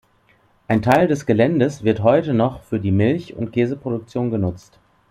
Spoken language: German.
Ein Teil des Geländes wird heute noch für die Milch- und Käseproduktion genutzt.